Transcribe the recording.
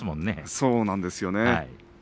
そうなんですね。